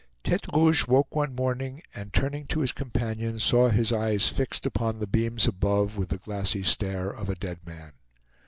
Tete Rouge woke one morning, and turning to his companion, saw his eyes fixed upon the beams above with the glassy stare of a dead man.